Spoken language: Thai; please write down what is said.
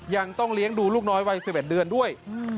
ยังต้องเลี้ยงดูลูกน้อยวัย๑๑เดือนด้วย